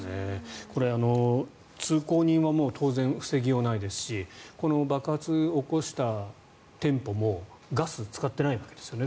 これ、通行人は防ぎようがないですしこの爆発を起こした店舗もガスを使っていないわけですよね。